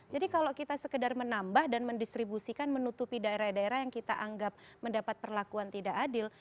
jadi kalau kita sekedar menambah dan mendistribusikan menutupi daerah daerah yang kita anggap mendapat perlakuan tidak adil